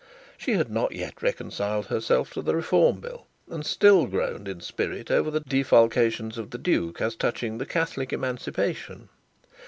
She had not yet reconciled herself to the Reform Bill, and still groaned in spirit over the defalcations of the Duke as touching the Catholic Emancipation.